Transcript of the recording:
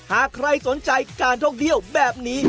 หากใครสนใจการท่องเที่ยวแบบนี้